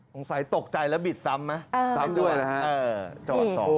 สงสัยตกใจแล้วบิดซ้ำมั้ยเออซ้ำด้วยนะฮะเออจอดต่อ